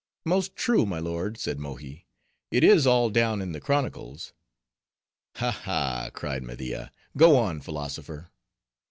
"Most true, my lord," said Mohi; "it is all down in the chronicles." "Ha! ha!" cried Media. "Go on, philosopher."